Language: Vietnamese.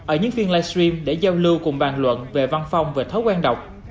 ở những phiên livestream để giao lưu cùng bàn luận về văn phong về thói quen đọc